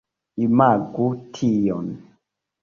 Imagu tion.